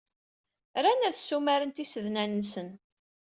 Ran ad ssumaren tisednan-nsen.